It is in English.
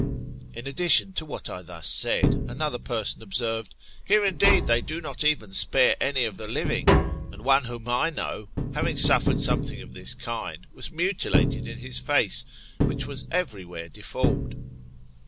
In addition to what I thus said, another person observed: Here, indeed, they do not even spare any of the living. And one whom I know not, having suffered something of this kind, was mutilated in his face, which was everywhere deformed.